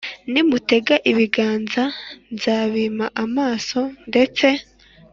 Nimutega ibiganza nzabima amaso ndetse